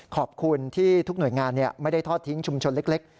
ขอบคุณที่ทุกหน่วยงานไม่ได้ทอดทิ้งชุมชนเล็ก